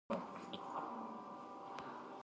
ډاټا د روباټ لپاره مهمه ده.